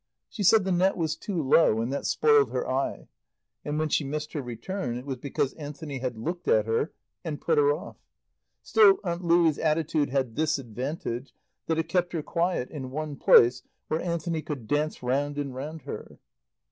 She said the net was too low and that spoiled her eye. And when she missed her return it was because Anthony had looked at her and put her off. Still Aunt Louie's attitude had this advantage that it kept her quiet in one place where Anthony could dance round and round her.